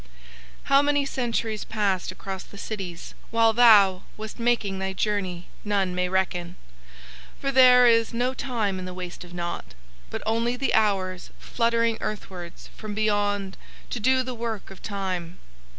"How many centuries passed across the cities while thou wast making thy journey none may reckon, for there is no time in the Waste of Nought, but only the hours fluttering earthwards from beyond to do the work of Time.